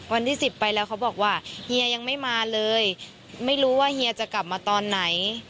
วันที่สิบไปแล้วเขาบอกว่าเฮียยังไม่มาเลยไม่รู้ว่าเฮียจะกลับมาตอนไหน